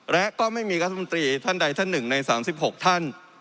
และก็ไม่มีรัฐมนตรีท่านใดท่านหนึ่งใน๓๖ท่าน